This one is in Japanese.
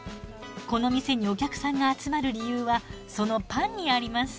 この店にお客さんが集まる理由はそのパンにあります。